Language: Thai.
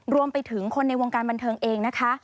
รวมไปถึงคนในวงการบันเทิงเองนะคะ